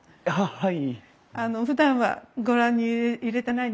はい。